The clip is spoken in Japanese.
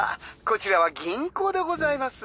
こちらは銀行でございます。